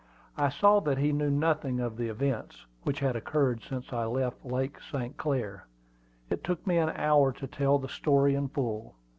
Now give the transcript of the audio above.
I saw that he knew nothing of the events which had occurred since I left Lake St. Clair. It took me an hour to tell the story in full.